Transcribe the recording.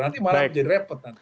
nanti malah menjadi repot